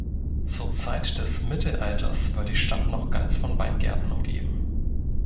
Zur Zeit des Mittelalters war die Stadt noch ganz von Weingärten umgeben.